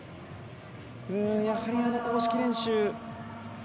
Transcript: やはり、公式練習。